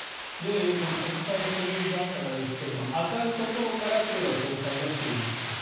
この国債保有残高ですが赤いところから黒田総裁が就任しました。